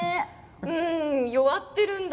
うん、弱ってるんだ。